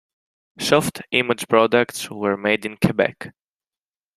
Softimage products were made in Quebec.